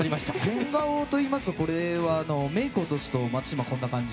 変顔といいますかこれはメイクを落とすと松島はこんな感じ。